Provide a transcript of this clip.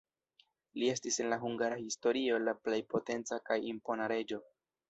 Li estis en la hungara historio la plej potenca kaj impona reĝo.